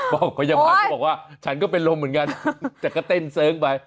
บอกพยาบาลก็บอกว่าฉันก็เป็นลมเหมือนกันแต่ก็เต้นเสริงไป